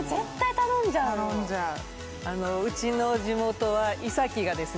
頼んじゃうあのうちの地元はイサキがですね